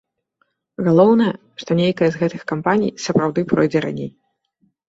Галоўнае, што нейкая з гэтых кампаній сапраўды пройдзе раней.